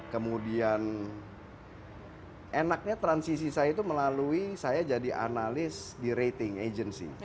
kemudian enaknya transisi saya itu melalui saya jadi analis di rating agency